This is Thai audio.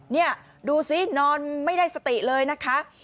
นี่ดูสินอนไม่ได้สติเลยนะคะ